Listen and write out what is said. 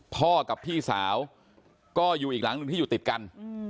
พ่อกับพี่สาวก็อยู่อีกหลังหนึ่งที่อยู่ติดกัน